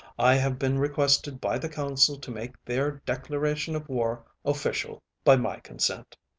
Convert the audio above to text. I have been requested by the council to make their declaration of war official by my consent.